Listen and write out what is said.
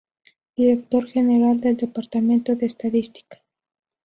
Director General del Departamento de Estadística.